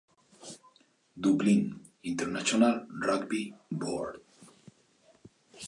Dublin: International Rugby Board.